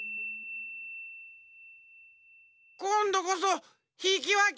こんどこそひきわけ！